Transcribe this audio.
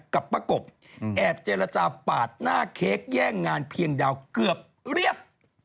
กับประกบแอบเจรจาปาดหน้าเค้กแย่งงานเพียงดาวเกือบเรียบ